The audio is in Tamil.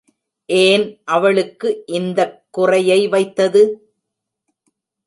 ஏன் அவளுக்கு இந்தக் குறையை வைத்தது?